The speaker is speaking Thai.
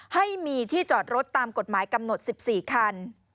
ให้มีที่จอดรถตามกฎหมายกำหนด๑๔คัน